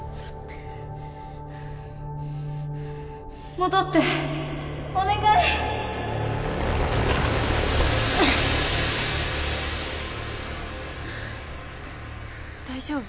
戻ってお願い大丈夫？